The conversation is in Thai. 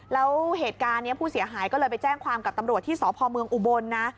แล้วเหตุการณ์นี้ผู้เสียหายก็เลยไปแจ้งความกับตำรวจที่สพเมืองอุบลนะ